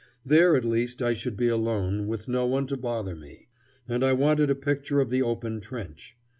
There at least I should be alone, with no one to bother me. And I wanted a picture of the open trench.